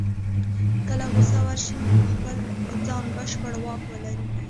کله غوسه ورشي په خپل ځان بشپړ واک ولري.